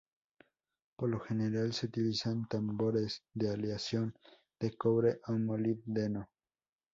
Por lo general se utilizan tambores de aleación de cobre o molibdeno.